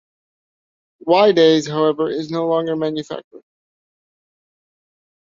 Wydase, however, is no longer manufactured.